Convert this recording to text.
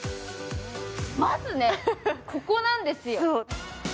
まずね、ここなんですよ。